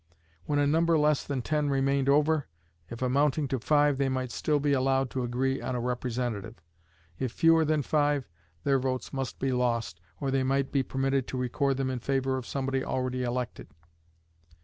When a number less than ten remained over, if amounting to five they might still be allowed to agree on a representative; if fewer than five, their votes must be lost, or they might be permitted to record them in favor of somebody already elected.